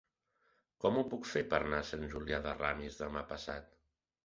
Com ho puc fer per anar a Sant Julià de Ramis demà passat?